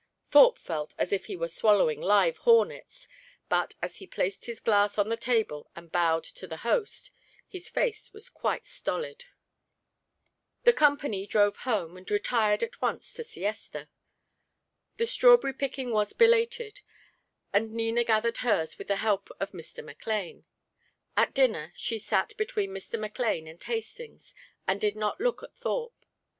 Thorpe felt as if he were swallowing live hornets; but, as he placed his glass on the table and bowed to the host, his face was quite stolid. The company drove home, and retired at once to siesta. The strawberry picking was belated, and Nina gathered hers with the help of Mr. McLane. At dinner she sat between Mr. McLane and Hastings, and did not look at Thorpe.